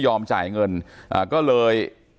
วันที่๑๒นี้